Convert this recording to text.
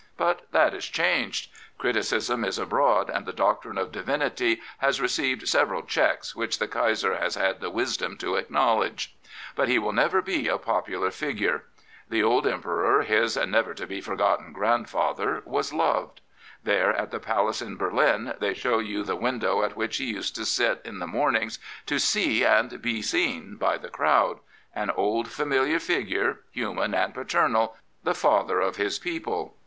But that is changed. Criticism is abroad and the^octrine of divinity has received several checks which the Kaiser has had the wisdom to acknowledge. But he will never be a popular figure. The old Emperor, his never to be forgotten " grandfather, 68 The Kaiser was loved. There at the palace in Berlin they show you the window at which he used to sit in the mornings to see and be seen by the crowd — an old, familiar figure, human and paternal, the father of his people.